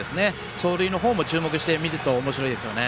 走塁も注目してみるとおもしろいですよね。